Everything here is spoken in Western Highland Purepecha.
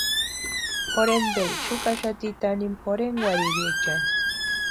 Jorhenpiri xukaaxati tanimu jorhenkwarhiriechani.